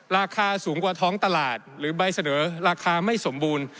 ราคาสูงกว่าท้องตลาดหรือใบเสนอราคาไม่สมบูรณ์